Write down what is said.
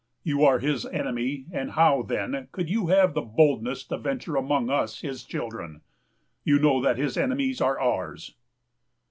You are his enemy; and how, then, could you have the boldness to venture among us, his children? You know that his enemies are ours.